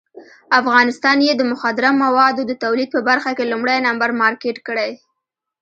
افغانستان یې د مخدره موادو د تولید په برخه کې لومړی نمبر مارکېټ کړی.